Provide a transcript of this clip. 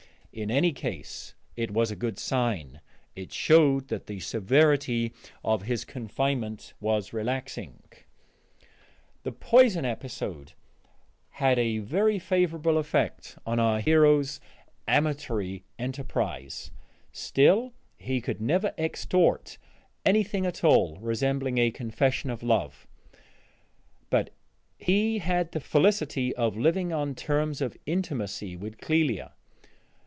In any case, it was a good sign: it showed that the severity of his confinement was relaxing. The poison episode had a very favorable effect on our hero's amatory enterprise: still, he could never extort anything at all resembling a confession of love; but he had the felicity of living on terms of intimacy with Clélia.